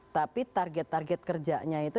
tapi target target kerjanya itu